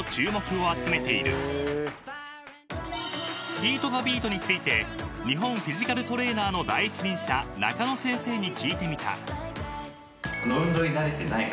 ［ＨＩＩＴｔｈｅＢｅａｔについて日本フィジカルトレーナーの第一人者中野先生に聞いてみた］